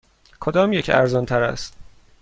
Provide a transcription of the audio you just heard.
کدامیک ارزان تر است؟